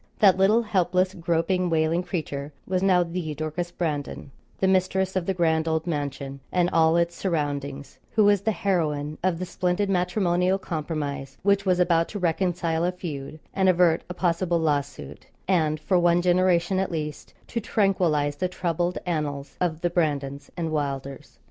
That little helpless, groping, wailing creature was now the Dorcas Brandon, the mistress of the grand old mansion and all its surroundings, who was the heroine of the splendid matrimonial compromise which was about to reconcile a feud, and avert a possible lawsuit, and, for one generation, at least, to tranquillise the troubled annals of the Brandons and Wylders.